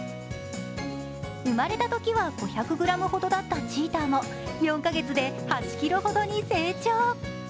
生まれたときは５００ｇほどだったチーターも４カ月で８ｋｇほどに成長。